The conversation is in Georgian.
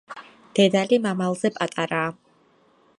დედალი მამალზე პატარაა.